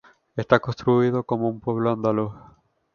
Está construido como un pueblo andaluz.